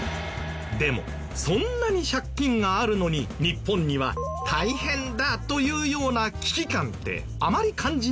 でもそんなに借金があるのに日本には大変だというような危機感ってあまり感じないですよね。